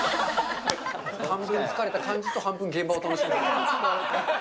完全に疲れた感じと、半分、現場を楽しんでる感じ。